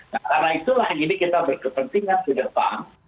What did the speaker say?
nah karena itulah ini kita berkepentingan di depan